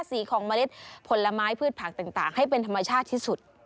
สีของเมล็ดผลไม้พืชผักต่างให้เป็นธรรมชาติที่สุด